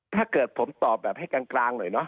ถ้าเกิดผมตอบแบบให้กลางหน่อยเนาะ